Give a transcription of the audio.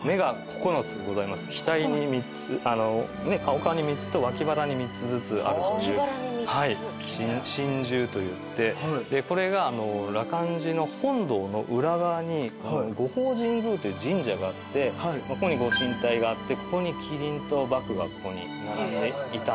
額に３つお顔に３つと脇腹に３つずつあるという神獣といってこれが羅漢寺の本堂の裏側に護法神宮という神社があってここにご神体があってここに麒麟と獏がここに並んでいたんですね。